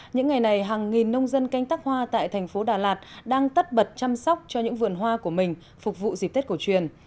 những ngày này hàng nghìn nông dân canh tác hoa tại thành phố đà lạt đang tất bật chăm sóc cho những vườn hoa của mình phục vụ dịp tết cổ truyền